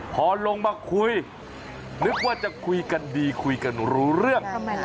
พอลงมาคุยนึกว่าจะคุยกันดีคุยกันรู้เรื่อง